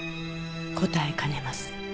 答えかねます。